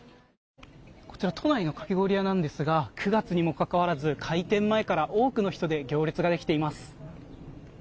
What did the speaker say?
こちら都内のかき氷屋なんですが９月にもかかわらず開店前から多くの人で行列ができています。